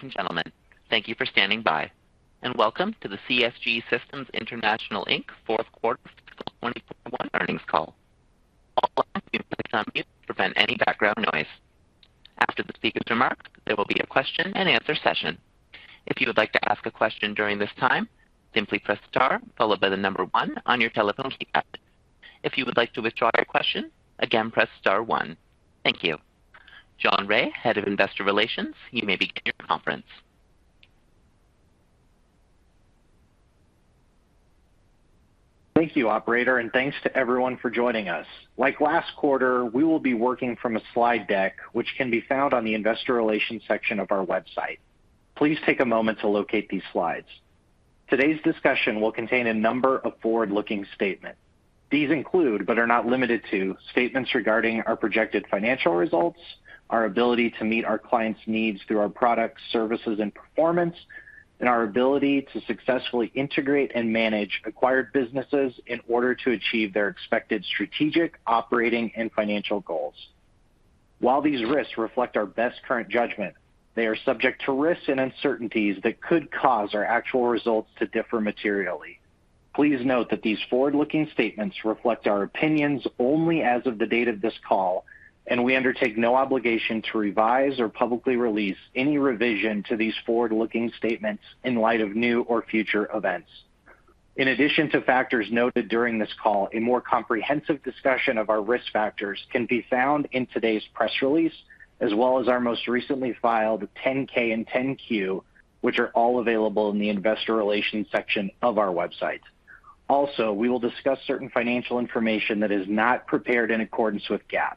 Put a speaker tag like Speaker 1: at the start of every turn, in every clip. Speaker 1: Ladies and gentlemen, thank you for standing by, and welcome to the CSG Systems International, Inc. fourth quarter fiscal 2021 earnings call. All lines have been placed on mute to prevent any background noise. After the speaker's remarks, there will be a question-and-answer session. If you would like to ask a question during this time, simply press star followed by the number one on your telephone keypad. If you would like to withdraw your question, again, press star one. Thank you. John Rea, Head of Investor Relations, you may begin your conference.
Speaker 2: Thank you, operator, and thanks to everyone for joining us. Like last quarter, we will be working from a slide deck, which can be found on the Investor Relations section of our website. Please take a moment to locate these slides. Today's discussion will contain a number of forward-looking statements. These include, but are not limited to, statements regarding our projected financial results, our ability to meet our clients' needs through our products, services, and performance, and our ability to successfully integrate and manage acquired businesses in order to achieve their expected strategic, operating, and financial goals. While these risks reflect our best current judgment, they are subject to risks and uncertainties that could cause our actual results to differ materially. Please note that these forward-looking statements reflect our opinions only as of the date of this call, and we undertake no obligation to revise or publicly release any revision to these forward-looking statements in light of new or future events. In addition to factors noted during this call, a more comprehensive discussion of our risk factors can be found in today's press release, as well as our most recently filed 10-K and 10-Q, which are all available in the investor relations section of our website. Also, we will discuss certain financial information that is not prepared in accordance with GAAP.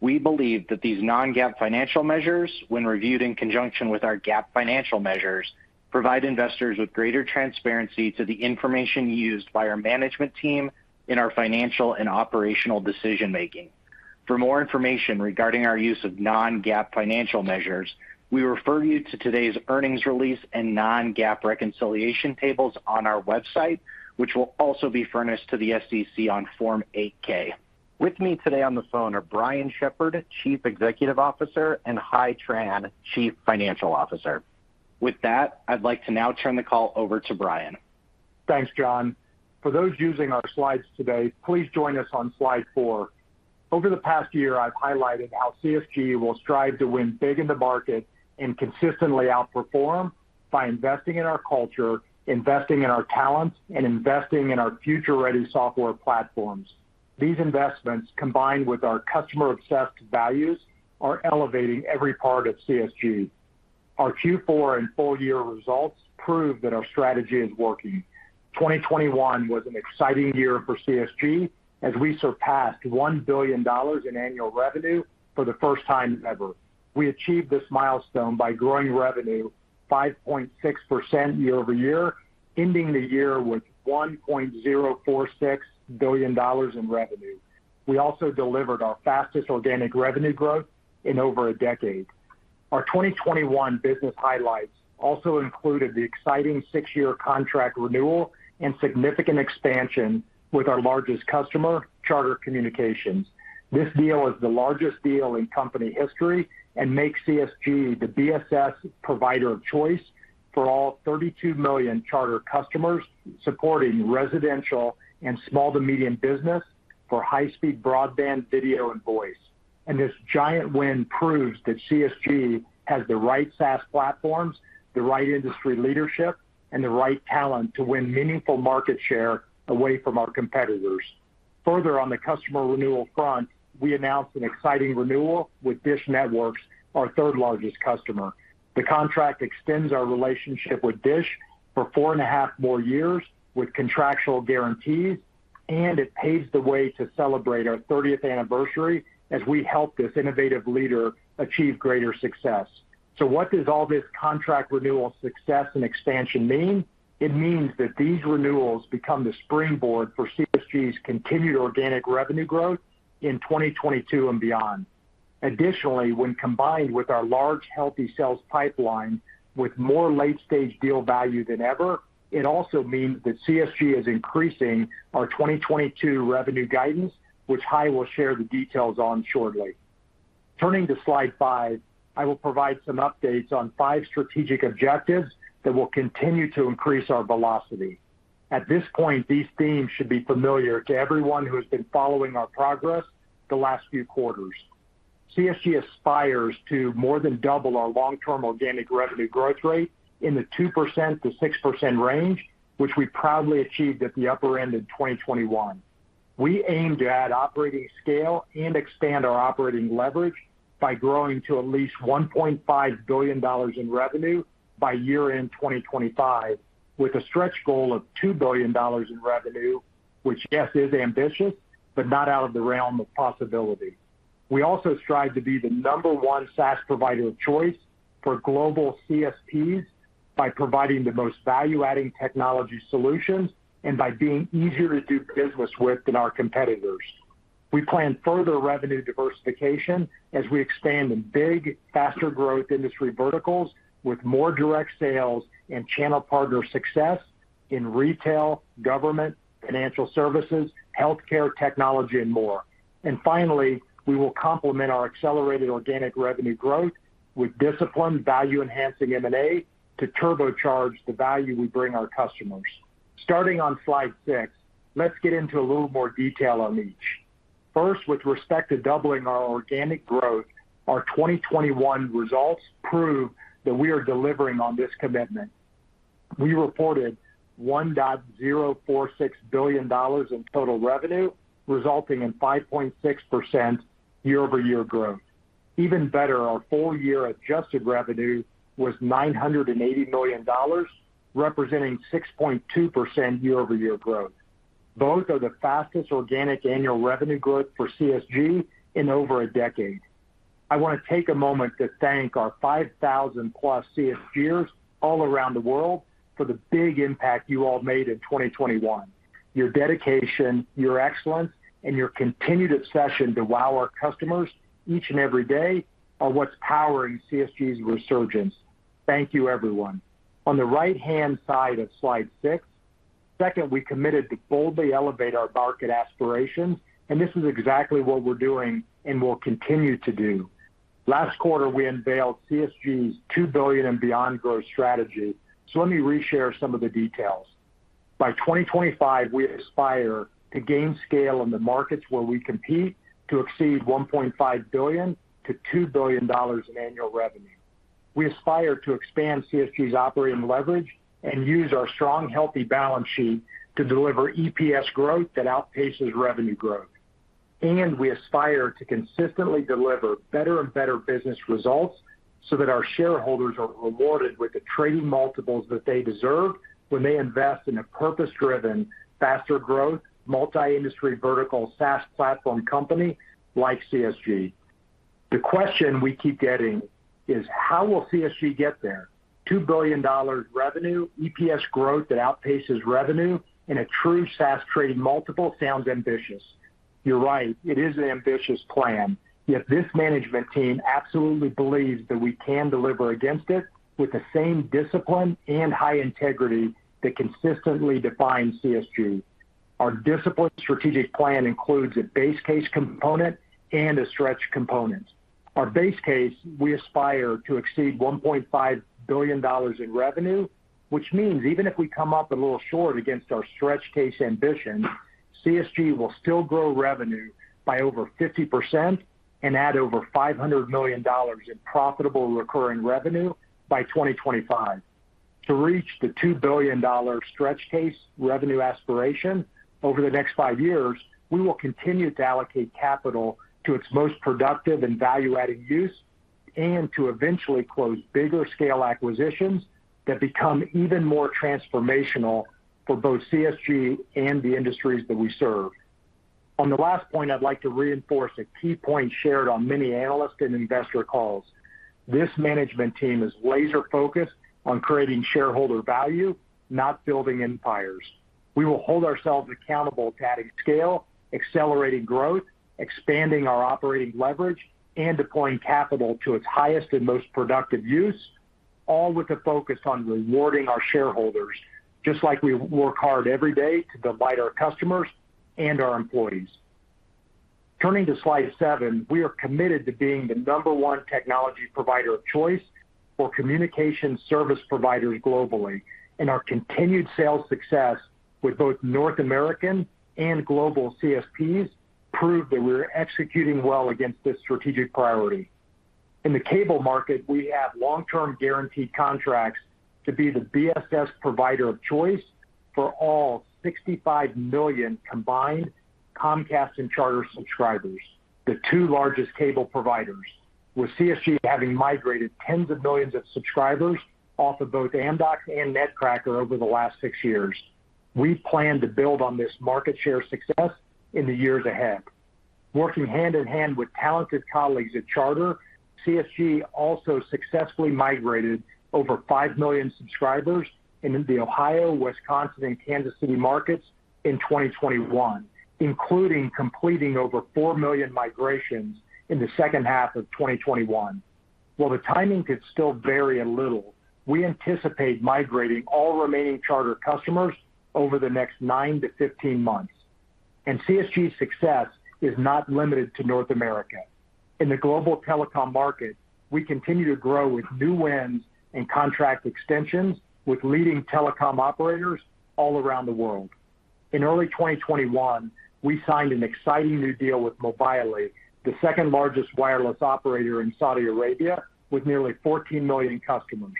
Speaker 2: We believe that these non-GAAP financial measures, when reviewed in conjunction with our GAAP financial measures, provide investors with greater transparency to the information used by our management team in our financial and operational decision-making. For more information regarding our use of non-GAAP financial measures, we refer you to today's earnings release and non-GAAP reconciliation tables on our website, which will also be furnished to the SEC on Form 8-K. With me today on the phone are Brian Shepherd, Chief Executive Officer, and Hai Tran, Chief Financial Officer. With that, I'd like to now turn the call over to Brian.
Speaker 3: Thanks, John Rea. For those using our slides today, please join us on Slide 4. Over the past year, I've highlighted how CSG will strive to win big in the market and consistently outperform by investing in our culture, investing in our talents, and investing in our future-ready software platforms. These investments, combined with our customer-obsessed values, are elevating every part of CSG. Our Q4 and full-year results prove that our strategy is working. 2021 was an exciting year for CSG as we surpassed $1 billion in annual revenue for the first time ever. We achieved this milestone by growing revenue 5.6% year-over-year, ending the year with $1.046 billion in revenue. We also delivered our fastest organic revenue growth in over a decade. Our 2021 business highlights also included the exciting six-year contract renewal and significant expansion with our largest customer, Charter Communications. This deal is the largest deal in company history and makes CSG the BSS provider of choice for all 32 million Charter customers, supporting residential and small to medium business for high-speed broadband, video, and voice. This giant win proves that CSG has the right SaaS platforms, the right industry leadership, and the right talent to win meaningful market share away from our competitors. Further, on the customer renewal front, we announced an exciting renewal with DISH Network, our third-largest customer. The contract extends our relationship with DISH for 4.5 more years with contractual guarantees, and it paves the way to celebrate our 30th anniversary as we help this innovative leader achieve greater success. What does all this contract renewal success and expansion mean? It means that these renewals become the springboard for CSG's continued organic revenue growth in 2022 and beyond. Additionally, when combined with our large healthy sales pipeline with more late-stage deal value than ever, it also means that CSG is increasing our 2022 revenue guidance, which Hai will share the details on shortly. Turning to Slide 5, I will provide some updates on five strategic objectives that will continue to increase our velocity. At this point, these themes should be familiar to everyone who has been following our progress the last few quarters. CSG aspires to more than double our long-term organic revenue growth rate in the 2%-6% range, which we proudly achieved at the upper end in 2021. We aim to add operating scale and expand our operating leverage by growing to at least $1.5 billion in revenue by year-end 2025, with a stretch goal of $2 billion in revenue, which yes, is ambitious, but not out of the realm of possibility. We also strive to be the Number 1 SaaS provider of choice for global CSPs by providing the most value-adding technology solutions and by being easier to do business with than our competitors. We plan further revenue diversification as we expand in big, faster growth industry verticals with more direct sales and channel partner success. In retail, government, financial services, healthcare, technology, and more. Finally, we will complement our accelerated organic revenue growth with disciplined value-enhancing M&A to turbocharge the value we bring our customers. Starting on Slide 6, let's get into a little more detail on each. First, with respect to doubling our organic growth, our 2021 results prove that we are delivering on this commitment. We reported $1.046 billion in total revenue, resulting in 5.6% year-over-year growth. Even better, our full-year adjusted revenue was $980 million, representing 6.2% year-over-year growth. Both are the fastest organic annual revenue growth for CSG in over a decade. I want to take a moment to thank our 5,000+ CSGers all around the world for the big impact you all made in 2021. Your dedication, your excellence, and your continued obsession to wow our customers each and every day are what's powering CSG's resurgence. Thank you, everyone. On the right-hand side of Slide 6, second, we committed to boldly elevate our market aspirations, and this is exactly what we're doing and will continue to do. Last quarter, we unveiled CSG's $2 billion and beyond growth strategy. Let me reshare some of the details. By 2025, we aspire to gain scale in the markets where we compete to exceed $1.5 billion-$2 billion in annual revenue. We aspire to expand CSG's operating leverage and use our strong, healthy balance sheet to deliver EPS growth that outpaces revenue growth. We aspire to consistently deliver better and better business results so that our shareholders are rewarded with the trading multiples that they deserve when they invest in a purpose-driven, faster growth, multi-industry vertical SaaS platform company like CSG. The question we keep getting is, how will CSG get there? $2 billion revenue, EPS growth that outpaces revenue, and a true SaaS trading multiple sounds ambitious. You're right, it is an ambitious plan. Yet this management team absolutely believes that we can deliver against it with the same discipline and high integrity that consistently defines CSG. Our disciplined strategic plan includes a base case component and a stretch component. Our base case, we aspire to exceed $1.5 billion in revenue, which means even if we come up a little short against our stretch case ambition, CSG will still grow revenue by over 50% and add over $500 million in profitable recurring revenue by 2025. To reach the $2 billion stretch case revenue aspiration over the next five years, we will continue to allocate capital to its most productive and value-added use and to eventually close bigger scale acquisitions that become even more transformational for both CSG and the industries that we serve. On the last point, I'd like to reinforce a key point shared on many analyst and investor calls. This management team is laser focused on creating shareholder value, not building empires. We will hold ourselves accountable to adding scale, accelerating growth, expanding our operating leverage, and deploying capital to its highest and most productive use, all with a focus on rewarding our shareholders, just like we work hard every day to delight our customers and our employees. Turning to Slide 7, we are committed to being the number one technology provider of choice for communication service providers globally, and our continued sales success with both North American and global CSPs prove that we're executing well against this strategic priority. In the cable market, we have long-term guaranteed contracts to be the BSS provider of choice for all 65 million combined Comcast and Charter subscribers, the two largest cable providers, with CSG having migrated tens of millions of subscribers off of both Amdocs and Netcracker over the last six years. We plan to build on this market share success in the years ahead. Working hand-in-hand with talented colleagues at Charter, CSG also successfully migrated over 5 million subscribers in the Ohio, Wisconsin, and Kansas City markets in 2021, including completing over 4 million migrations in the second half of 2021. While the timing could still vary a little, we anticipate migrating all remaining Charter customers over the next 9-15 months. CSG's success is not limited to North America. In the global telecom market, we continue to grow with new wins and contract extensions with leading telecom operators all around the world. In early 2021, we signed an exciting new deal with Mobily, the second largest wireless operator in Saudi Arabia with nearly 14 million customers.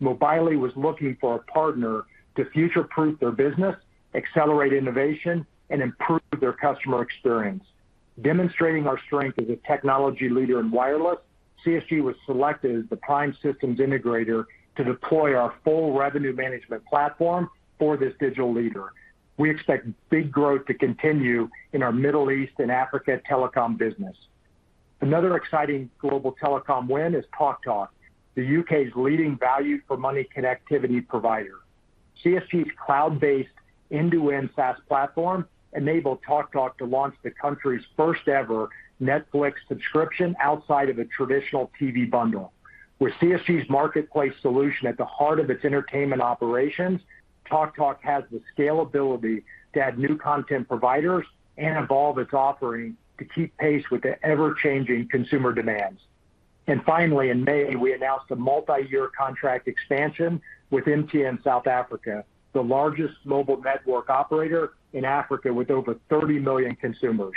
Speaker 3: Mobily was looking for a partner to future-proof their business, accelerate innovation, and improve their customer experience. Demonstrating our strength as a technology leader in wireless, CSG was selected as the prime systems integrator to deploy our full revenue management platform for this digital leader. We expect big growth to continue in our Middle East and Africa telecom business. Another exciting global telecom win is TalkTalk, the U.K.'s leading value for money connectivity provider. CSG's cloud-based end-to-end SaaS platform enabled TalkTalk to launch the country's first ever Netflix subscription outside of a traditional TV bundle. With CSG's marketplace solution at the heart of its entertainment operations, TalkTalk has the scalability to add new content providers and evolve its offering to keep pace with the ever-changing consumer demands. Finally, in May, we announced a multi-year contract expansion with MTN South Africa, the largest mobile network operator in Africa with over 30 million consumers.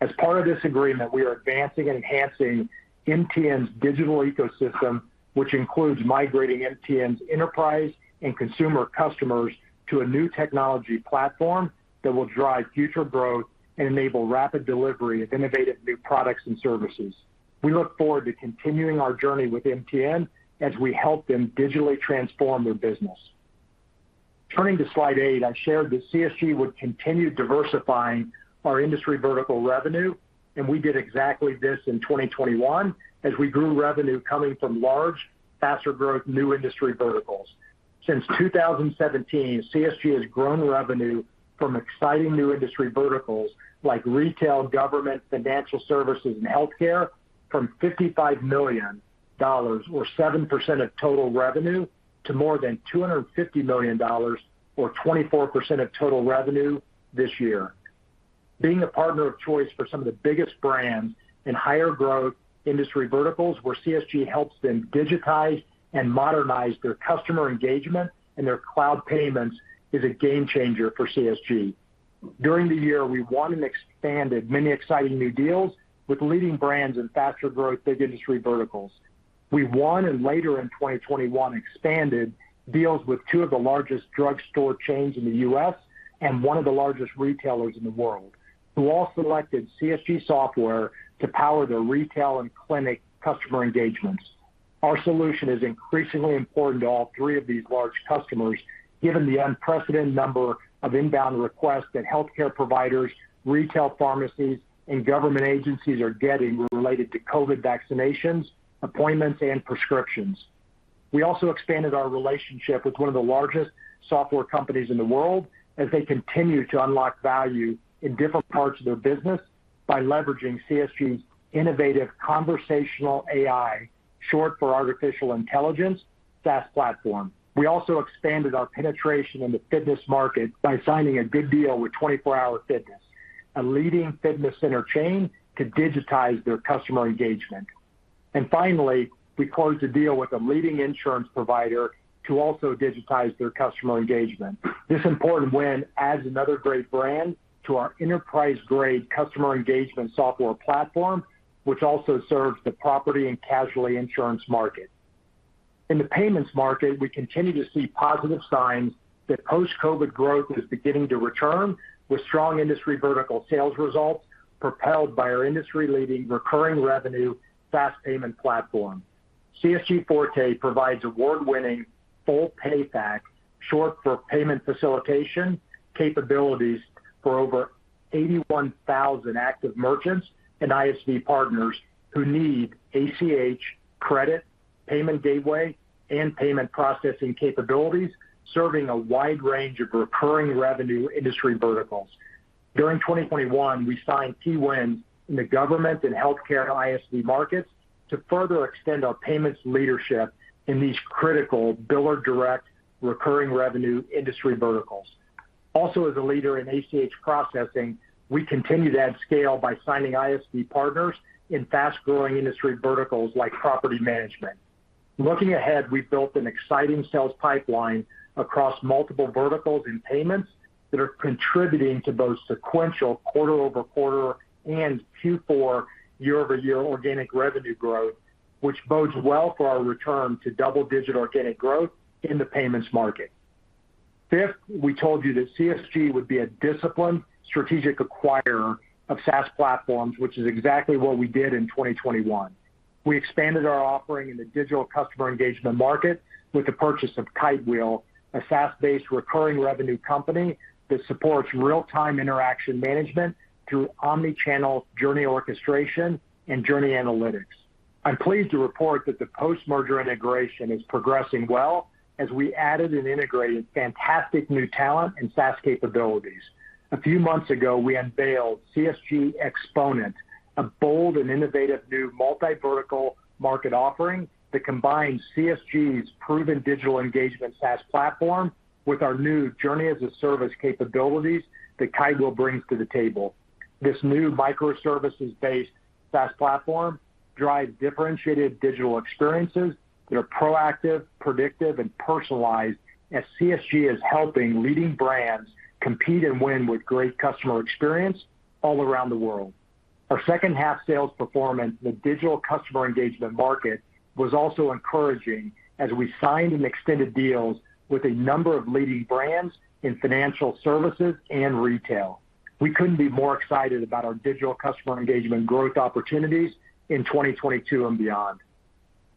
Speaker 3: As part of this agreement, we are advancing and enhancing MTN's digital ecosystem, which includes migrating MTN's enterprise and consumer customers to a new technology platform that will drive future growth and enable rapid delivery of innovative new products and services. We look forward to continuing our journey with MTN as we help them digitally transform their business. Turning to Slide 8, I shared that CSG would continue diversifying our industry vertical revenue, and we did exactly this in 2021 as we grew revenue coming from large, faster-growth new industry verticals. Since 2017, CSG has grown revenue from exciting new industry verticals like retail, government, financial services, and healthcare from $55 million or 7% of total revenue to more than $250 million or 24% of total revenue this year. Being a partner of choice for some of the biggest brands in higher growth industry verticals where CSG helps them digitize and modernize their customer engagement and their cloud payments is a game changer for CSG. During the year, we won and expanded many exciting new deals with leading brands in faster growth, big industry verticals. We won, and later in 2021 expanded deals with two of the largest drugstore chains in the U.S. and one of the largest retailers in the world, who all selected CSG software to power their retail and clinic customer engagements. Our solution is increasingly important to all three of these large customers, given the unprecedented number of inbound requests that healthcare providers, retail pharmacies, and government agencies are getting related to COVID vaccinations, appointments, and prescriptions. We also expanded our relationship with one of the largest software companies in the world as they continue to unlock value in different parts of their business by leveraging CSG's innovative conversational AI, short for artificial intelligence, SaaS platform. We also expanded our penetration in the fitness market by signing a good deal with 24 Hour Fitness, a leading fitness center chain to digitize their customer engagement. Finally, we closed a deal with a leading insurance provider to also digitize their customer engagement. This important win adds another great brand to our enterprise-grade customer engagement software platform, which also serves the property and casualty insurance market. In the payments market, we continue to see positive signs that post-COVID growth is beginning to return with strong industry vertical sales results propelled by our industry-leading recurring revenue fast payment platform. CSG Forte provides award-winning full PayFac, short for payment facilitation, capabilities for over 81,000 active merchants and ISV partners who need ACH credit, payment gateway, and payment processing capabilities, serving a wide range of recurring revenue industry verticals. During 2021, we signed key wins in the government and healthcare ISV markets to further extend our payments leadership in these critical biller direct recurring revenue industry verticals. Also, as a leader in ACH processing, we continue to add scale by signing ISV partners in fast-growing industry verticals like property management. Looking ahead, we've built an exciting sales pipeline across multiple verticals in payments that are contributing to both sequential quarter-over-quarter and Q4 year-over-year organic revenue growth, which bodes well for our return to double-digit organic growth in the payments market. Fifth, we told you that CSG would be a disciplined strategic acquirer of SaaS platforms, which is exactly what we did in 2021. We expanded our offering in the digital customer engagement market with the purchase of Kitewheel, a SaaS-based recurring revenue company that supports real-time interaction management through omni-channel journey orchestration and journey analytics. I'm pleased to report that the post-merger integration is progressing well as we added and integrated fantastic new talent and SaaS capabilities. A few months ago, we unveiled CSG Xponent, a bold and innovative new multi-vertical market offering that combines CSG's proven digital engagement SaaS platform with our new journey as a service capabilities that Kitewheel brings to the table. This new microservices-based SaaS platform drives differentiated digital experiences that are proactive, predictive, and personalized as CSG is helping leading brands compete and win with great customer experience all around the world. Our second half sales performance in the digital customer engagement market was also encouraging as we signed and extended deals with a number of leading brands in financial services and retail. We couldn't be more excited about our digital customer engagement growth opportunities in 2022 and beyond.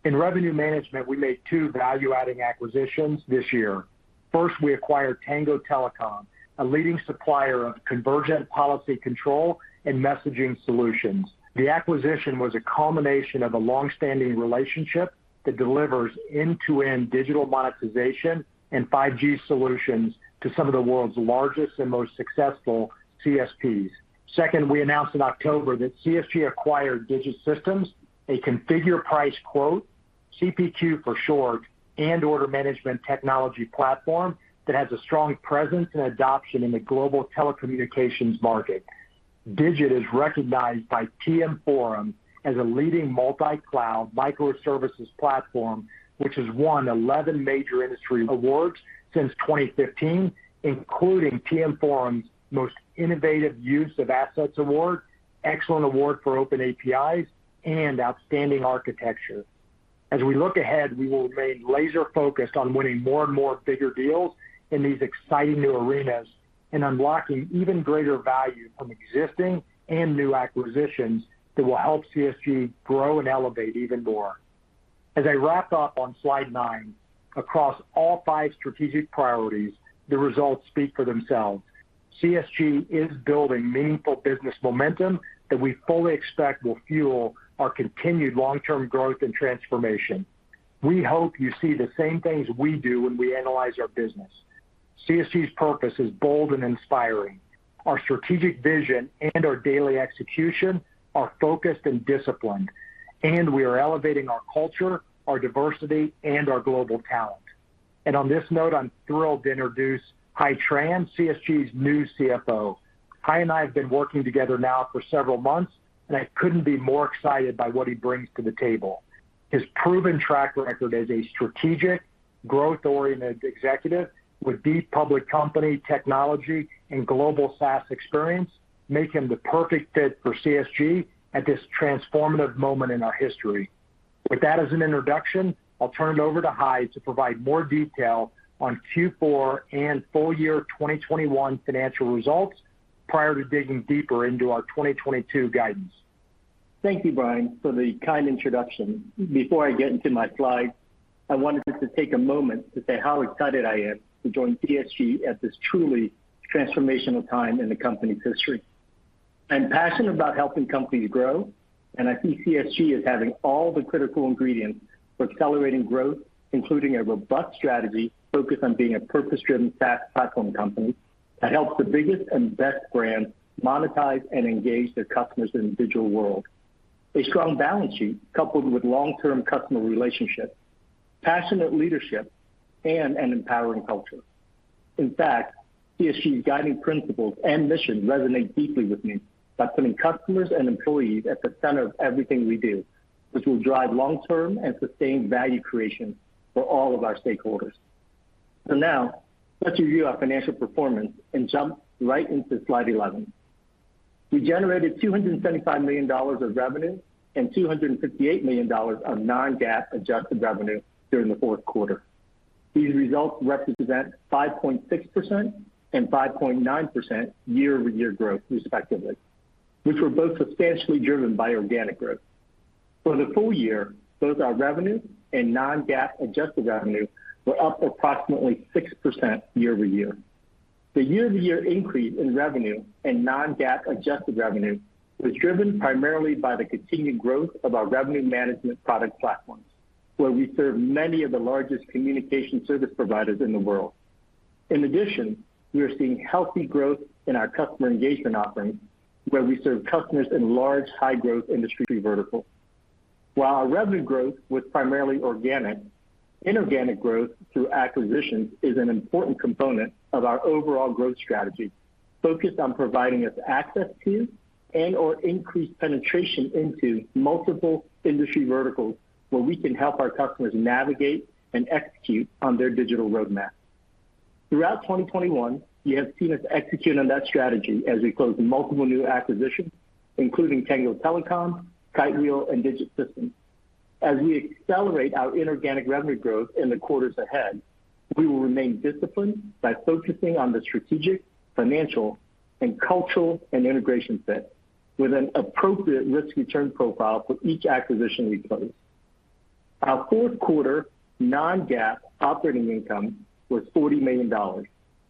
Speaker 3: In revenue management, we made two value-adding acquisitions this year. First, we acquired Tango Telecom, a leading supplier of convergent policy control and messaging solutions. The acquisition was a culmination of a long-standing relationship that delivers end-to-end digital monetization and 5G solutions to some of the world's largest and most successful CSPs. Second, we announced in October that CSG acquired DGIT Systems, a configure price quote-CPQ for short, and order management technology platform that has a strong presence and adoption in the global telecommunications market. DGIT is recognized by TM Forum as a leading multi-cloud microservices platform, which has won 11 major industry awards since 2015, including TM Forum's Most Innovative Use of Assets Award, Excellent Award for Open APIs, and Outstanding Architecture. As we look ahead, we will remain laser-focused on winning more and more bigger deals in these exciting new arenas and unlocking even greater value from existing and new acquisitions that will help CSG grow and elevate even more. As I wrap up on Slide 9, across all five strategic priorities, the results speak for themselves. CSG is building meaningful business momentum that we fully expect will fuel our continued long-term growth and transformation. We hope you see the same things we do when we analyze our business. CSG's purpose is bold and inspiring. Our strategic vision and our daily execution are focused and disciplined, and we are elevating our culture, our diversity, and our global talent. On this note, I'm thrilled to introduce Hai Tran, CSG's new CFO. Hai and I have been working together now for several months, and I couldn't be more excited by what he brings to the table. His proven track record as a strategic growth-oriented executive with deep public company technology and global SaaS experience make him the perfect fit for CSG at this transformative moment in our history. With that as an introduction, I'll turn it over to Hai to provide more detail on Q4 and full year 2021 financial results prior to digging deeper into our 2022 guidance.
Speaker 4: Thank you, Brian, for the kind introduction. Before I get into my slides, I wanted to take a moment to say how excited I am to join CSG at this truly transformational time in the company's history. I'm passionate about helping companies grow, and I see CSG as having all the critical ingredients for accelerating growth, including a robust strategy focused on being a purpose-driven SaaS platform company that helps the biggest and best brands monetize and engage their customers in a digital world, a strong balance sheet coupled with long-term customer relationships, passionate leadership, and an empowering culture. In fact, CSG's guiding principles and mission resonate deeply with me by putting customers and employees at the center of everything we do, which will drive long-term and sustained value creation for all of our stakeholders. Now let's review our financial performance and jump right into Slide 11. We generated $275 million of revenue and $258 million of non-GAAP adjusted revenue during the fourth quarter. These results represent 5.6% and 5.9% year-over-year growth respectively, which were both substantially driven by organic growth. For the full year, both our revenue and non-GAAP adjusted revenue were up approximately 6% year-over-year. The year-over-year increase in revenue and non-GAAP adjusted revenue was driven primarily by the continued growth of our revenue management product platform, where we serve many of the largest communication service providers in the world. In addition, we are seeing healthy growth in our customer engagement offerings, where we serve customers in large, high-growth industry verticals. While our revenue growth was primarily organic, inorganic growth through acquisitions is an important component of our overall growth strategy, focused on providing us access to and/or increased penetration into multiple industry verticals where we can help our customers navigate and execute on their digital roadmap. Throughout 2021, you have seen us execute on that strategy as we closed multiple new acquisitions, including Tango Telecom, Kitewheel, and DGIT Systems. As we accelerate our inorganic revenue growth in the quarters ahead, we will remain disciplined by focusing on the strategic, financial, and cultural and integration fit with an appropriate risk-return profile for each acquisition we close. Our fourth quarter non-GAAP operating income was $40 million,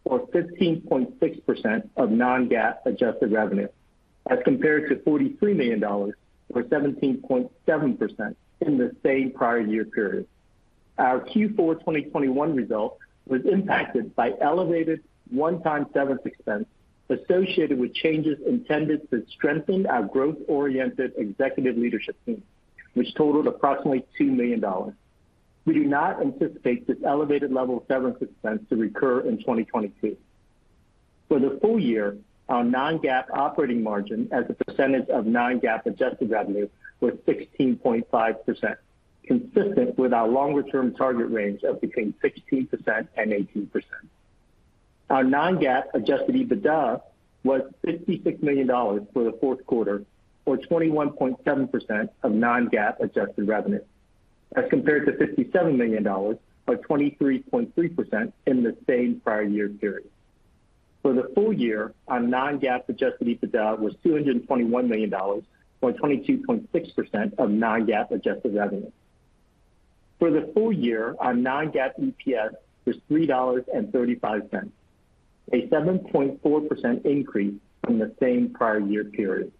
Speaker 4: or 15.6% of non-GAAP adjusted revenue, as compared to $43 million, or 17.7% in the same prior year period. Our Q4 2021 result was impacted by elevated one-time severance expense associated with changes intended to strengthen our growth-oriented executive leadership team, which totaled approximately $2 million. We do not anticipate this elevated level of severance expense to recur in 2022. For the full year, our non-GAAP operating margin as a percentage of non-GAAP adjusted revenue was 16.5%, consistent with our longer-term target range of between 16% and 18%. Our non-GAAP adjusted EBITDA was $56 million for the fourth quarter, or 21.7% of non-GAAP adjusted revenue, as compared to $57 million, or 23.3% in the same prior year period. For the full year, our non-GAAP adjusted EBITDA was $221 million, or 22.6% of non-GAAP adjusted revenue. For the full year, our non-GAAP EPS was $3.35, a 7.4% increase from the same prior year period.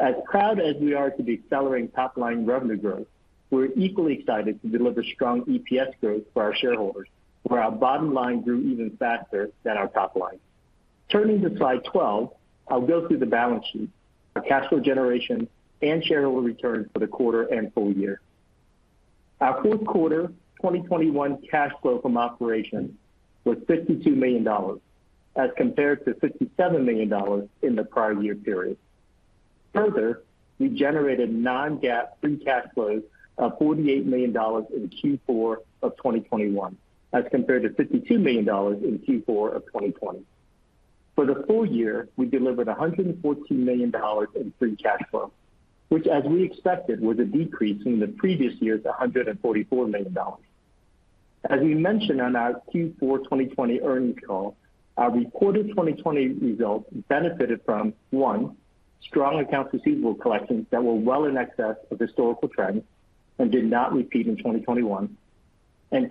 Speaker 4: As proud as we are to be accelerating top-line revenue growth, we're equally excited to deliver strong EPS growth for our shareholders, where our bottom line grew even faster than our top line. Turning to Slide 12, I'll go through the balance sheet, our cash flow generation, and shareholder returns for the quarter and full year. Our fourth quarter 2021 cash flow from operations was $52 million as compared to $57 million in the prior year period. Further, we generated non-GAAP free cash flows of $48 million in Q4 of 2021, as compared to $52 million in Q4 of 2020. For the full year, we delivered $114 million in free cash flow, which as we expected, was a decrease from the previous year's $144 million. As we mentioned on our Q4 2020 earnings call, our reported 2020 results benefited from, one, strong accounts receivable collections that were well in excess of historical trends and did not repeat in 2021.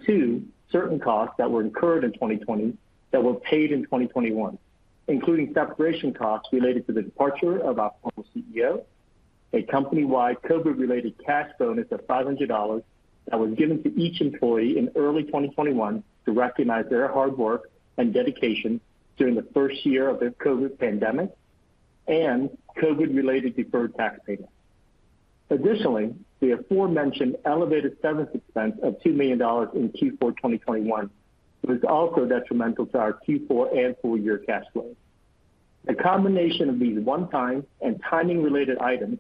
Speaker 4: Two, certain costs that were incurred in 2020 that were paid in 2021, including separation costs related to the departure of our former CEO, a company-wide COVID-related cash bonus of $500 that was given to each employee in early 2021 to recognize their hard work and dedication during the first year of the COVID pandemic, and COVID-related deferred tax payments. Additionally, the aforementioned elevated service expense of $2 million in Q4 2021 was also detrimental to our Q4 and full year cash flow. The combination of these one-time and timing-related items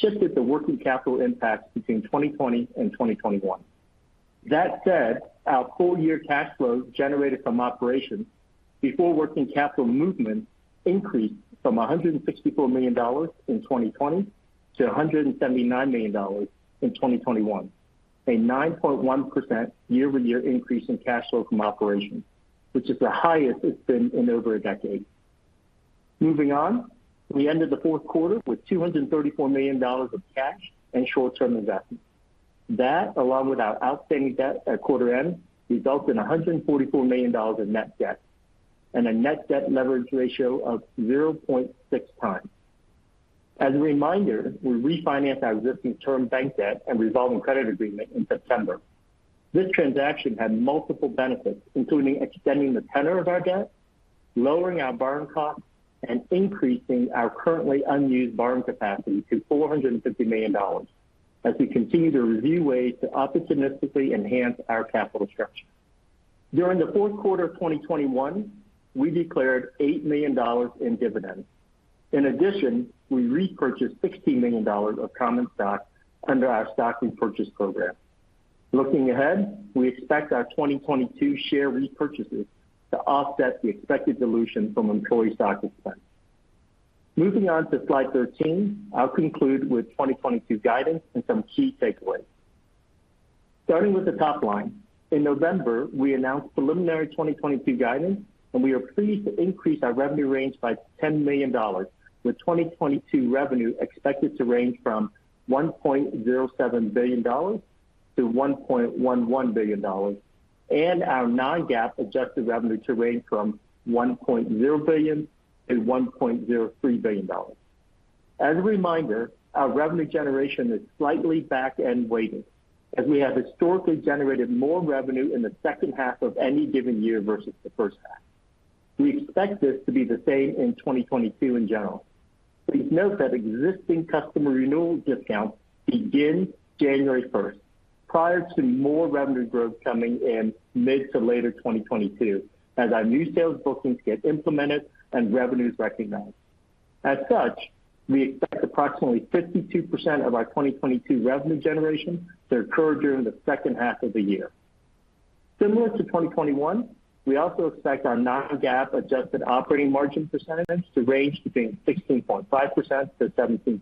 Speaker 4: shifted the working capital impact between 2020 and 2021. That said, our full year cash flows generated from operations before working capital movement increased from $164 million in 2020 to $179 million in 2021, a 9.1% year-over-year increase in cash flow from operations, which is the highest it's been in over a decade. Moving on. We ended the fourth quarter with $234 million of cash and short-term investments. That, along with our outstanding debt at quarter end, results in $144 million in net debt and a net debt leverage ratio of 0.6x. As a reminder, we refinanced our existing term bank debt and revolving credit agreement in September. This transaction had multiple benefits, including extending the tenor of our debt, lowering our borrowing costs, and increasing our currently unused borrowing capacity to $450 million as we continue to review ways to opportunistically enhance our capital structure. During the fourth quarter of 2021, we declared $8 million in dividends. In addition, we repurchased $60 million of common stock under our stock repurchase program. Looking ahead, we expect our 2022 share repurchases to offset the expected dilution from employee stock expense. Moving on to Slide 13, I'll conclude with 2022 guidance and some key takeaways. Starting with the top line. In November, we announced preliminary 2022 guidance, and we are pleased to increase our revenue range by $10 million, with 2022 revenue expected to range from $1.07 billion-$1.11 billion, and our non-GAAP adjusted revenue to range from $1.0 billion-$1.03 billion. As a reminder, our revenue generation is slightly back-end weighted, as we have historically generated more revenue in the second half of any given year versus the first half. We expect this to be the same in 2022 in general. Please note that existing customer renewal discounts begin January first, prior to more revenue growth coming in mid to later 2022 as our new sales bookings get implemented and revenues recognized. As such, we expect approximately 52% of our 2022 revenue generation to occur during the second half of the year. Similar to 2021, we also expect our non-GAAP adjusted operating margin percentage to range between 16.5%-17%,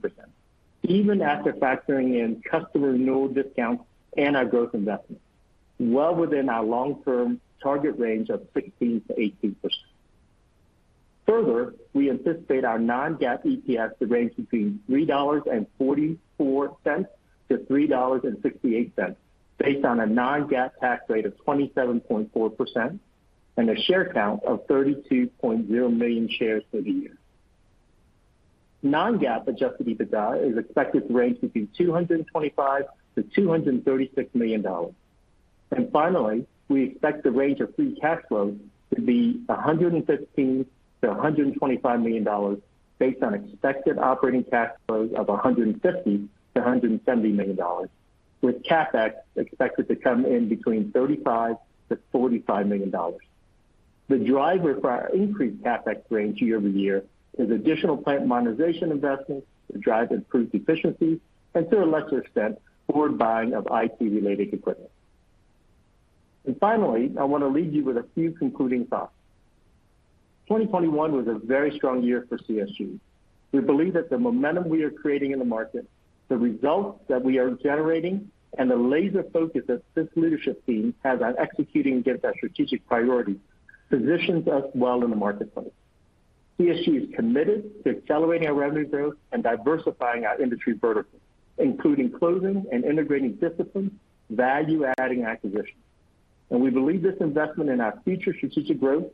Speaker 4: even after factoring in customer renewal discounts and our growth investments, well within our long-term target range of 16%-18%. Further, we anticipate our non-GAAP EPS to range between $3.44-$3.68, based on a non-GAAP tax rate of 27.4% and a share count of 32.0 million shares for the year. Non-GAAP adjusted EBITDA is expected to range between $225 million-$236 million. Finally, we expect the range of free cash flow to be $115 million-$125 million based on expected operating cash flow of $150 million-$170 million, with CapEx expected to come in between $35 million-$45 million. The driver for our increased CapEx range year-over-year is additional plant modernization investments to drive improved efficiency and to a lesser extent, forward buying of IT-related equipment. Finally, I want to leave you with a few concluding thoughts. 2021 was a very strong year for CSG. We believe that the momentum we are creating in the market, the results that we are generating, and the laser focus that this leadership team has on executing against our strategic priorities positions us well in the marketplace. CSG is committed to accelerating our revenue growth and diversifying our industry verticals, including closing and integrating discipline, value-adding acquisitions. We believe this investment in our future strategic growth,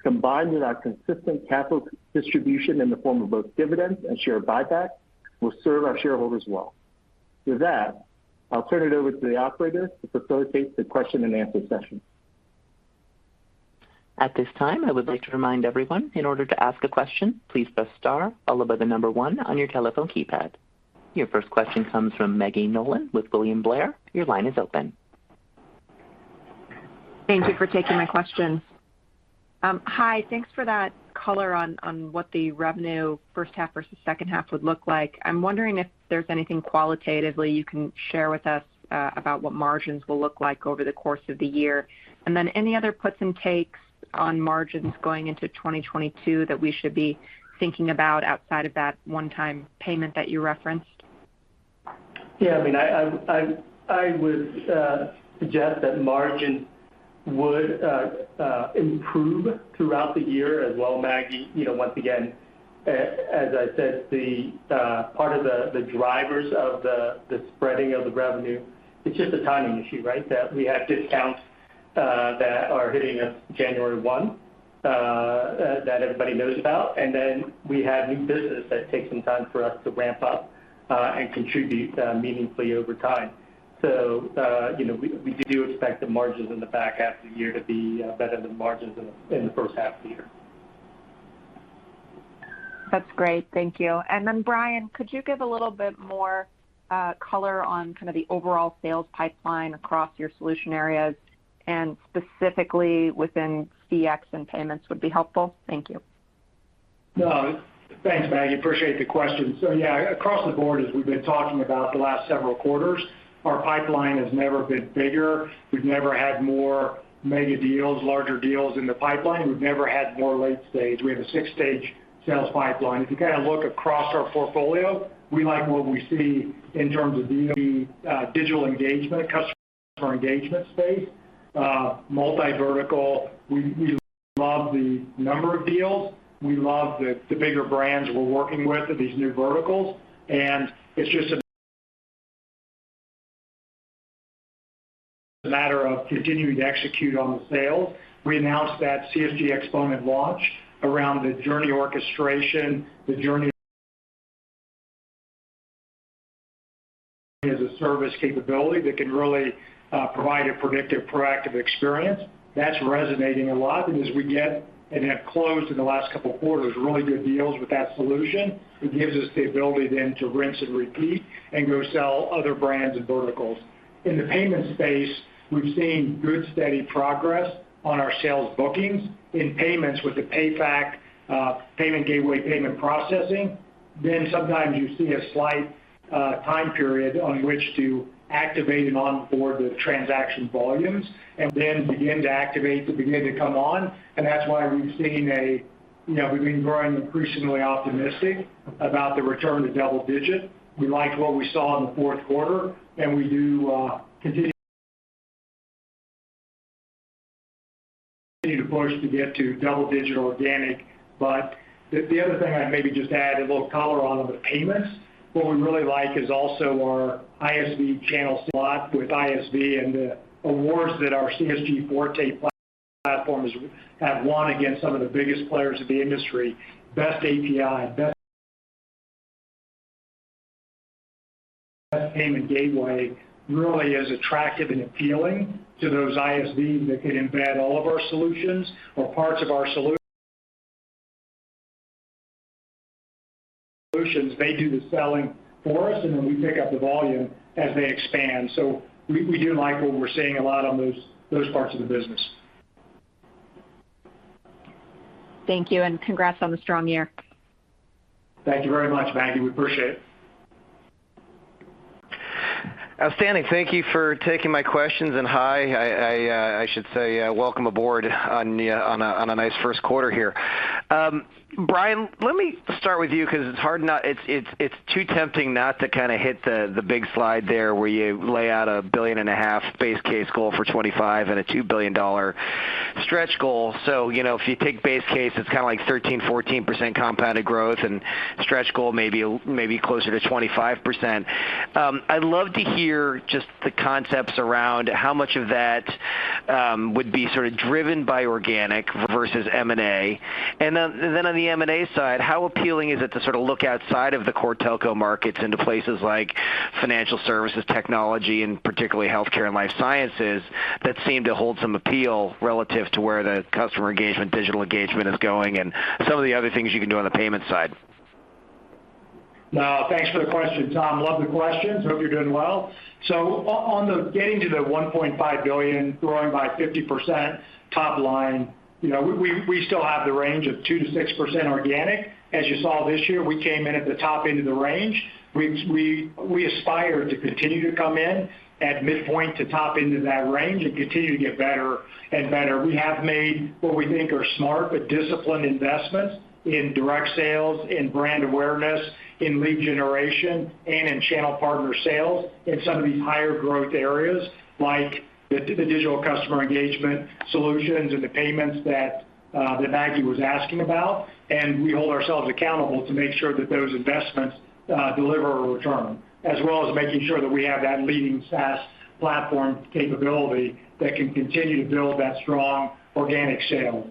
Speaker 4: combined with our consistent capital distribution in the form of both dividends and share buybacks, will serve our shareholders well. With that, I'll turn it over to the operator to facilitate the question-and-answer session.
Speaker 1: At this time, I would like to remind everyone, in order to ask a question, please press star followed by the number one on your telephone keypad. Your first question comes from Maggie Nolan with William Blair. Your line is open.
Speaker 5: Thank you for taking my question. Hi, thanks for that color on what the revenue first half versus second half would look like. I'm wondering if there's anything qualitatively you can share with us about what margins will look like over the course of the year? Any other puts and takes on margins going into 2022 that we should be thinking about outside of that one-time payment that you referenced?
Speaker 4: Yeah, I mean, I would suggest that margins would improve throughout the year as well, Maggie. You know, once again, as I said, the part of the drivers of the spreading of the revenue, it's just a timing issue, right? That we have discounts that are hitting us January 1 that everybody knows about. Then we have new business that takes some time for us to ramp up and contribute meaningfully over time. You know, we do expect the margins in the back half of the year to be better than margins in the first half of the year.
Speaker 5: That's great. Thank you. Then, Brian, could you give a little bit more color on kind of the overall sales pipeline across your solution areas, and specifically within CX and payments would be helpful? Thank you.
Speaker 3: No. Thanks, Maggie. Appreciate the question. Yeah, across the board, as we've been talking about the last several quarters, our pipeline has never been bigger. We've never had more mega deals, larger deals in the pipeline. We've never had more late stage. We have a six-stage sales pipeline. If you kind of look across our portfolio, we like what we see in terms of the digital engagement, customer engagement space, multi-vertical. We love the number of deals. We love the bigger brands we're working with in these new verticals. It's just a matter of continuing to execute on the sales. We announced that CSG Xponent launch around the journey orchestration, the journey as a service capability that can really provide a predictive, proactive experience. That's resonating a lot. As we get and have closed in the last couple of quarters really good deals with that solution, it gives us the ability then to rinse and repeat and go sell other brands and verticals. In the payment space, we've seen good, steady progress on our sales bookings in payments with the PayFac payment gateway, payment processing. Sometimes you see a slight time period on which to activate and onboard the transaction volumes and then begin to come on, and that's why, you know, we've been growing increasingly optimistic about the return to double-digit. We like what we saw in the fourth quarter, and we do continue to push to get to double-digit organic. The other thing I'd maybe just add a little color on the payments, what we really like is also our ISV channel slot with ISV and the awards that our CSG Forte platforms have won against some of the biggest players in the industry. Best API, best payment gateway really is attractive and appealing to those ISVs that can embed all of our solutions or parts of our solutions. They do the selling for us, and then we pick up the volume as they expand. We do like what we're seeing a lot on those parts of the business.
Speaker 5: Thank you, and congrats on the strong year.
Speaker 3: Thank you very much, Maggie. We appreciate it.
Speaker 6: Outstanding. Thank you for taking my questions, and hi. I should say welcome aboard on a nice first quarter here. Brian, let me start with you because it's hard not to kinda hit the big slide there where you lay out a $1.5 billion base case goal for 2025 and a $2 billion stretch goal. You know, if you take base case, it's kinda like 13%-14% compounded growth, and stretch goal maybe closer to 25%. I'd love to hear just the concepts around how much of that would be sort of driven by organic versus M&A.
Speaker 7: On the M&A side, how appealing is it to sort of look outside of the core telco markets into places like financial services, technology, and particularly healthcare and life sciences that seem to hold some appeal relative to where the customer engagement, digital engagement is going and some of the other things you can do on the payment side?
Speaker 3: No, thanks for the question, Tom. Love the questions. Hope you're doing well. On the getting to the $1.5 billion, growing by 50% top line, you know, we still have the range of 2%-6% organic. As you saw this year, we came in at the top end of the range. We aspire to continue to come in at midpoint to top end of that range and continue to get better and better. We have made what we think are smart but disciplined investments in direct sales, in brand awareness, in lead generation, and in channel partner sales in some of these higher growth areas, like the digital customer engagement solutions and the payments that that Maggie was asking about. We hold ourselves accountable to make sure that those investments deliver a return, as well as making sure that we have that leading SaaS platform capability that can continue to build that strong organic sales.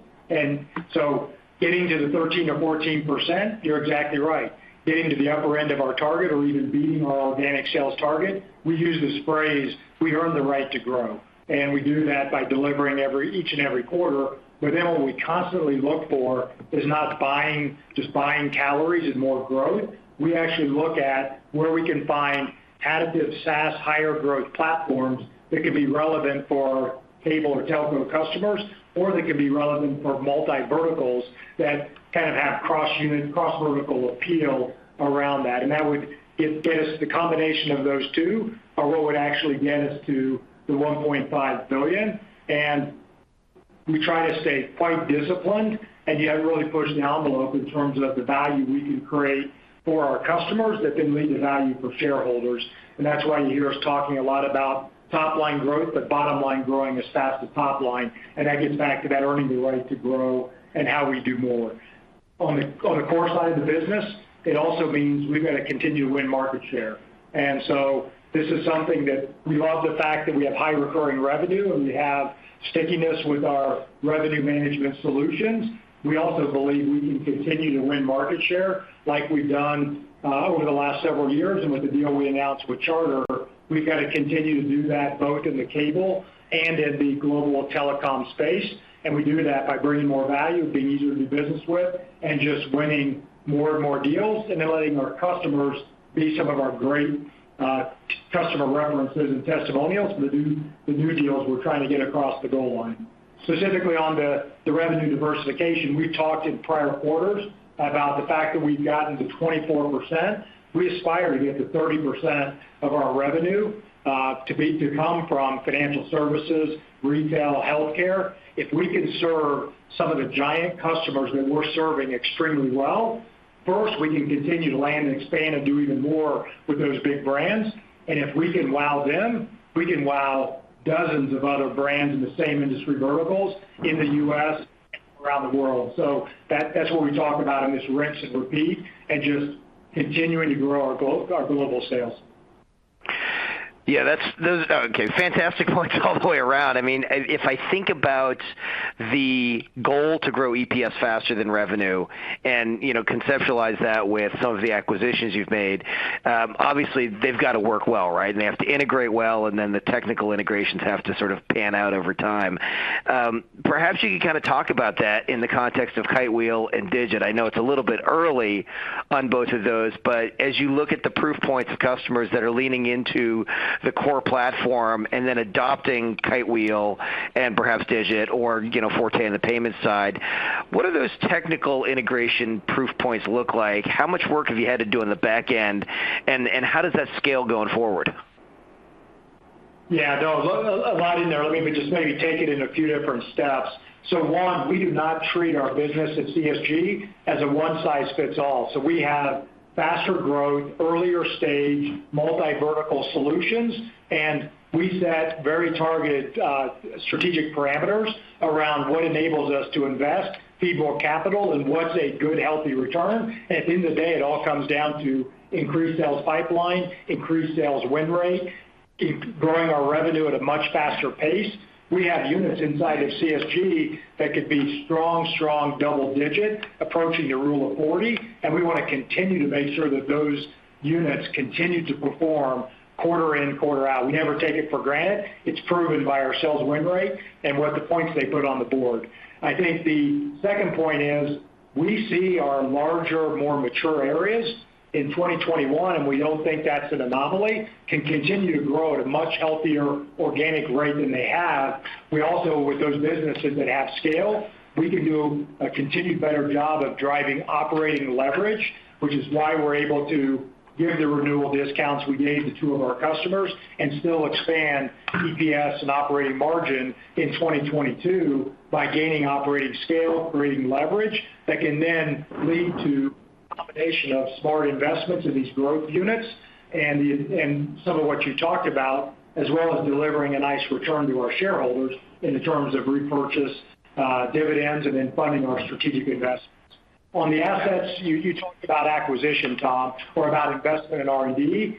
Speaker 3: Getting to the 13% or 14%, you're exactly right. Getting to the upper end of our target or even beating our organic sales target, we use this phrase, "We earn the right to grow." We do that by delivering each and every quarter. What we constantly look for is not just buying calories and more growth. We actually look at where we can find additive SaaS higher growth platforms that could be relevant for cable or telco customers or that could be relevant for multi-verticals that kind of have cross-unit, cross-vertical appeal around that. That would get us the combination of those two are what would actually get us to the $1.5 billion. We try to stay quite disciplined and yet really push the envelope in terms of the value we can create for our customers that then lead to value for shareholders. That's why you hear us talking a lot about top-line growth, but bottom line growing as fast as top line, and that gets back to that earning the right to grow and how we do more. On the core side of the business, it also means we've got to continue to win market share. This is something that we love the fact that we have high recurring revenue, and we have stickiness with our revenue management solutions. We also believe we can continue to win market share like we've done over the last several years. With the deal we announced with Charter, we've got to continue to do that both in the cable and in the global telecom space. We do that by bringing more value, being easier to do business with, and just winning more and more deals, and then letting our customers be some of our great customer references and testimonials for the new deals we're trying to get across the goal line. Specifically on the revenue diversification, we've talked in prior quarters about the fact that we've gotten to 24%. We aspire to get to 30% of our revenue to come from financial services, retail, healthcare. If we can serve some of the giant customers that we're serving extremely well, first, we can continue to land and expand and do even more with those big brands. If we can wow them, we can wow dozens of other brands in the same industry verticals in the U.S. and around the world. That's what we talk about in this rinse and repeat and just continuing to grow our global sales.
Speaker 6: Yeah, fantastic points all the way around. I mean, if I think about the goal to grow EPS faster than revenue and, you know, conceptualize that with some of the acquisitions you've made, obviously they've got to work well, right? They have to integrate well, and then the technical integrations have to sort of pan out over time. Perhaps you can kind of talk about that in the context of Kitewheel and DGIT. I know it's a little bit early on both of those, but as you look at the proof points of customers that are leaning into the core platform and then adopting Kitewheel and perhaps DGIT or, you know, Forte on the payment side, what do those technical integration proof points look like? How much work have you had to do on the back end?
Speaker 7: how does that scale going forward?
Speaker 3: Yeah. No, a lot in there. Let me just maybe take it in a few different steps. One, we do not treat our business at CSG as a one size fits all. We have faster growth, earlier stage, multi-vertical solutions, and we set very targeted, strategic parameters around what enables us to invest, feed more capital and what's a good, healthy return. At the end of the day, it all comes down to increased sales pipeline, increased sales win rate, growing our revenue at a much faster pace. We have units inside of CSG that could be strong double digit, approaching the rule of 40, and we want to continue to make sure that those units continue to perform quarter in, quarter out. We never take it for granted. It's proven by our sales win rate and what the points they put on the board. I think the second point is we see our larger, more mature areas in 2021, and we don't think that's an anomaly. They can continue to grow at a much healthier organic rate than they have. We also, with those businesses that have scale, we can do a continued better job of driving operating leverage, which is why we're able to give the renewal discounts we gave to two of our customers and still expand EPS and operating margin in 2022 by gaining operating scale, creating leverage that can then lead to a combination of smart investments in these growth units and some of what you talked about, as well as delivering a nice return to our shareholders in terms of repurchase, dividends, and then funding our strategic investments. On the assets, you talked about acquisition, Tom, or about investment in R&D.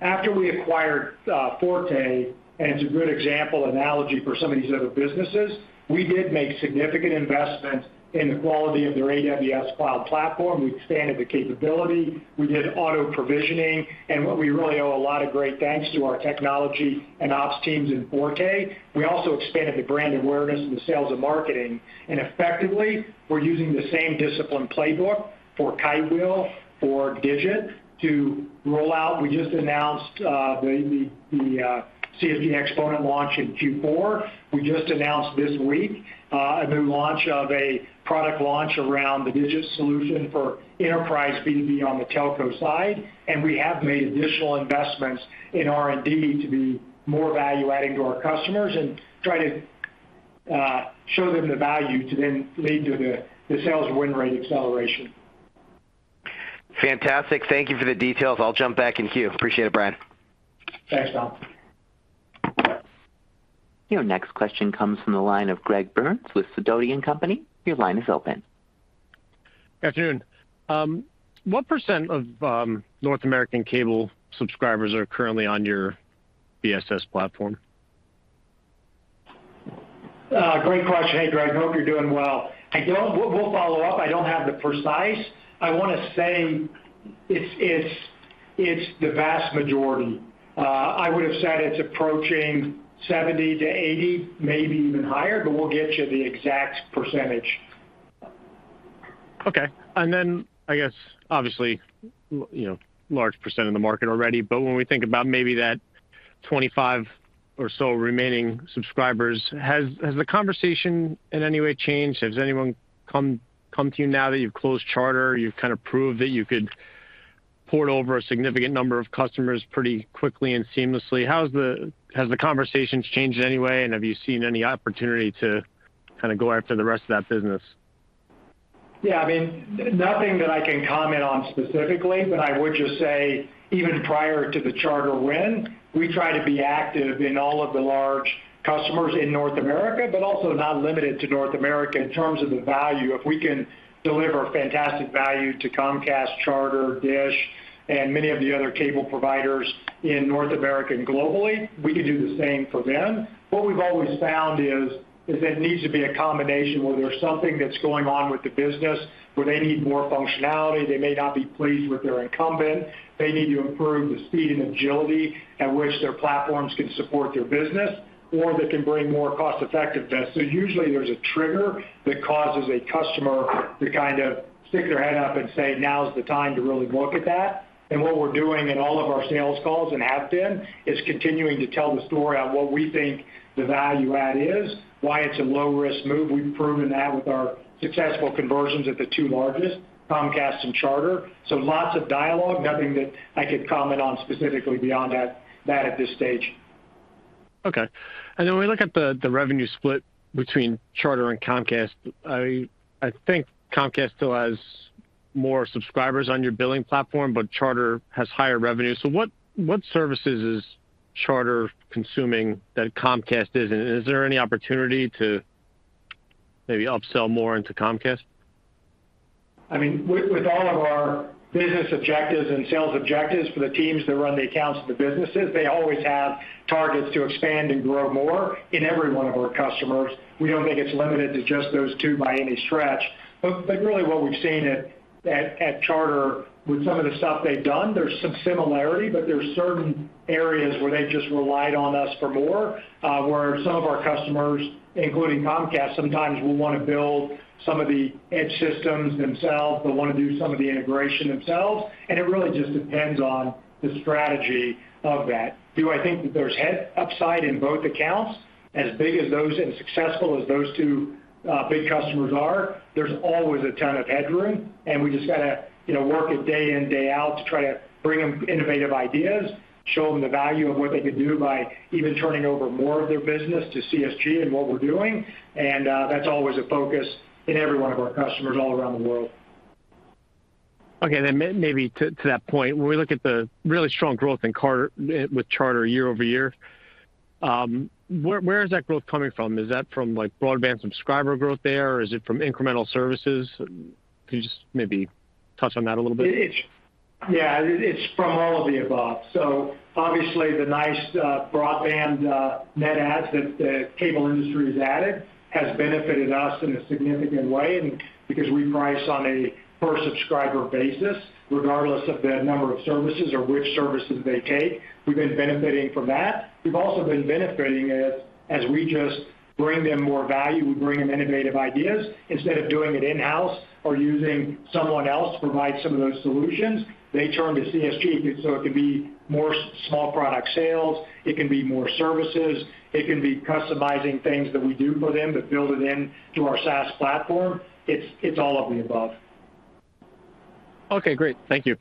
Speaker 3: After we acquired Forte, and it's a good example analogy for some of these other businesses, we did make significant investments in the quality of their AWS cloud platform. We expanded the capability. We did auto-provisioning. What we really owe a lot of great thanks to our technology and ops teams in Forte. We also expanded the brand awareness and the sales and marketing. Effectively, we're using the same discipline playbook for Kitewheel, for DGIT to roll out. We just announced the CSG Xponent launch in Q4. We just announced this week a new launch of a product launch around the DGIT solution for enterprise B2B on the telco side. We have made additional investments in R&D to be more value-adding to our customers and try to show them the value to then lead to the sales win rate acceleration.
Speaker 6: Fantastic. Thank you for the details. I'll jump back in queue. Appreciate it, Brian.
Speaker 3: Thanks, Tom.
Speaker 1: Your next question comes from the line of Greg Burns with Sidoti & Company. Your line is open.
Speaker 8: Afternoon. What percent of North American cable subscribers are currently on your BSS platform?
Speaker 3: Great question. Hey, Greg. Hope you're doing well. We'll follow up. I don't have the precise. I wanna say it's the vast majority. I would have said it's approaching 70%-80%, maybe even higher, but we'll get you the exact percentage.
Speaker 8: Okay. I guess obviously, you know, large percent of the market already, but when we think about maybe that 25 or so remaining subscribers, has the conversation in any way changed? Has anyone come to you now that you've closed Charter, you've kind of proved that you could port over a significant number of customers pretty quickly and seamlessly. Has the conversation changed in any way, and have you seen any opportunity to kind of go after the rest of that business?
Speaker 3: Yeah, I mean, nothing that I can comment on specifically, but I would just say even prior to the Charter win, we try to be active in all of the large customers in North America, but also not limited to North America in terms of the value. If we can deliver fantastic value to Comcast, Charter, DISH, and many of the other cable providers in North America and globally, we can do the same for them. What we've always found is there needs to be a combination where there's something that's going on with the business where they need more functionality, they may not be pleased with their incumbent, they need to improve the speed and agility at which their platforms can support their business, or they can bring more cost-effectiveness. Usually there's a trigger that causes a customer to kind of stick their head up and say, "Now is the time to really look at that." What we're doing in all of our sales calls and have been is continuing to tell the story on what we think the value add is, why it's a low-risk move. We've proven that with our successful conversions at the two largest, Comcast and Charter. Lots of dialogue. Nothing that I could comment on specifically beyond that at this stage.
Speaker 8: Okay. When we look at the revenue split between Charter and Comcast, I think Comcast still has more subscribers on your billing platform, but Charter has higher revenue. What services is Charter consuming that Comcast isn't? Is there any opportunity to maybe upsell more into Comcast?
Speaker 3: I mean, with all of our business objectives and sales objectives for the teams that run the accounts of the businesses, they always have targets to expand and grow more in every one of our customers. We don't think it's limited to just those two by any stretch. Really what we've seen at Charter with some of the stuff they've done, there's some similarity, but there are certain areas where they just relied on us for more, where some of our customers, including Comcast, sometimes will wanna build some of the edge systems themselves. They wanna do some of the integration themselves, and it really just depends on the strategy of that. Do I think that there's upside in both accounts? As big as those and successful as those two, big customers are, there's always a ton of headroom, and we just gotta, you know, work it day in, day out to try to bring them innovative ideas, show them the value of what they could do by even turning over more of their business to CSG and what we're doing, and, that's always a focus in every one of our customers all around the world.
Speaker 8: Okay. Maybe to that point, when we look at the really strong growth in Charter with Charter year-over-year, where is that growth coming from? Is that from like broadband subscriber growth there, or is it from incremental services? Can you just maybe touch on that a little bit?
Speaker 3: Yeah. It's from all of the above. Obviously the nice broadband net adds that the cable industry has added has benefited us in a significant way and because we price on a per subscriber basis, regardless of the number of services or which services they take, we've been benefiting from that. We've also been benefiting as we just bring them more value, we bring them innovative ideas. Instead of doing it in-house or using someone else to provide some of those solutions, they turn to CSG. It could be more small product sales, it can be more services, it can be customizing things that we do for them, but build it in to our SaaS platform. It's all of the above.
Speaker 8: Okay, great. Thank you.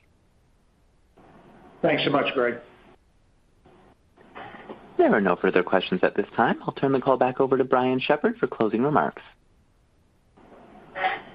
Speaker 3: Thanks so much, Greg.
Speaker 1: There are no further questions at this time. I'll turn the call back over to Brian Shepherd for closing remarks.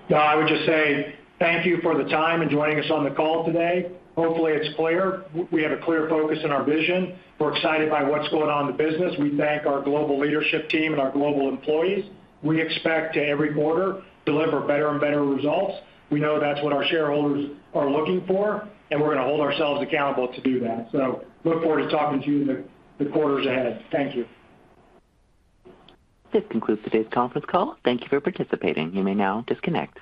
Speaker 3: No, I would just say thank you for the time and joining us on the call today. Hopefully, it's clear. We have a clear focus in our vision. We're excited by what's going on in the business. We thank our global leadership team and our global employees. We expect every quarter deliver better and better results. We know that's what our shareholders are looking for, and we're gonna hold ourselves accountable to do that. Look forward to talking to you in the quarters ahead. Thank you.
Speaker 1: This concludes today's conference call. Thank you for participating. You may now disconnect.